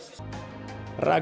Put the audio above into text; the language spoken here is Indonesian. ragu akan kinerjakan